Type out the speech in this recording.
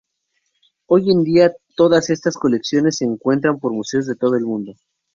Hoy en día todas estas colecciones se encuentran por museos de todo el mundo.